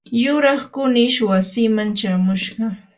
yuraq kunish wasiiman chamushqa.